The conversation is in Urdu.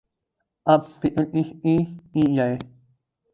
اب فکر کس کی‘ کی جائے؟